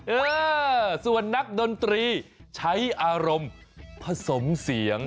เออส่วนนักดนตรีใช้อารมณ์ผสมเสียง